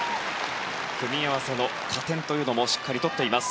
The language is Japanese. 組み合わせの加点というのもしっかり取っています。